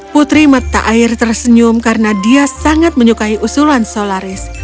putri mata air tersenyum karena dia sangat menyukai usulan solaris